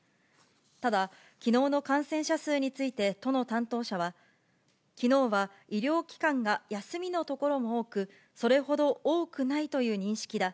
ただ、きのうの感染者数について都の担当者は、きのうは医療機関が休みの所も多く、それほど多くないという認識だ。